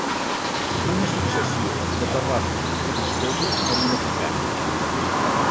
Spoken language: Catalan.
Una successió de terrossos relliscosos com una cucanya